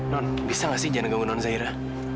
nond bisa tidak jangan mengganggu nond zaira